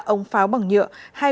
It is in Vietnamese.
năm mươi ba ống pháo bằng nhựa